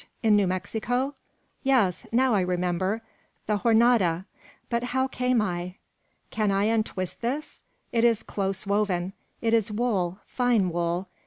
In New Mexico? Yes. Now I remember: the Jornada! but how came I? "Can I untwist this? It is close woven; it is wool, fine wool.